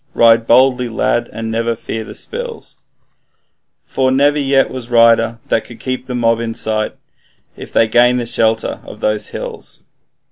Ride boldly, lad, and never fear the spills, For never yet was rider that could keep the mob in sight, If once they gain the shelter of those hills.'